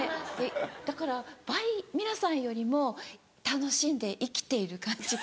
だから倍皆さんよりも楽しんで生きている感じが。